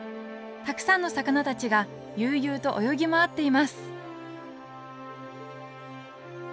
たくさんの魚たちが悠々と泳ぎ回っています